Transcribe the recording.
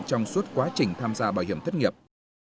trong suốt quá trình tham gia bảo hiểm thất nghiệp